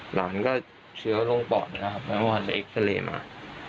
หลานก็เชื้อลงปอดนะนะคะแม้ว่าอเบ็ดเอี๊ยงค์เศรษฐ์มา